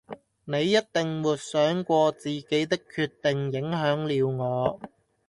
你一定沒想過自己的決定影響了我